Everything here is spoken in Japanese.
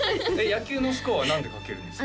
野球のスコアは何で書けるんですか？